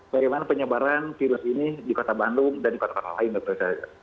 bagaimana penyebaran virus ini di kota bandung dan di kota kota lain dokter saya